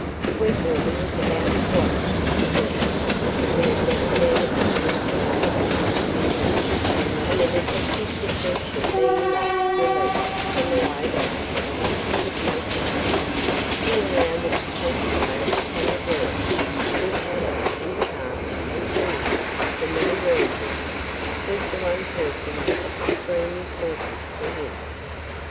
Sweetwater was about to offer his services when a second man appeared from somewhere in the rear, and the detective's attention being thus released from the load out of which he could make nothing, he allowed it to concentrate upon the young girl who had it in charge and who, for many reasons, was the one person of supreme importance to him.